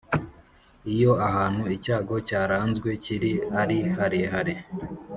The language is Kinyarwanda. Iyo ahantu icyago cyaranzwe kiri ari harehare